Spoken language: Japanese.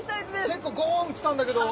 結構ゴンきたんだけど。